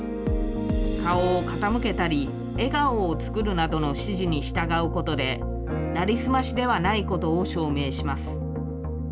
顔を傾けたり、笑顔を作るなどの指示に従うことで、成り済ましではないことを証明します。